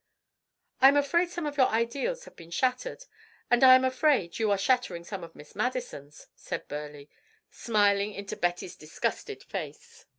"I am afraid some of your ideals have been shattered, and I am afraid you are shattering some of Miss Madison's," said Burleigh, smiling into Betty's disgusted face.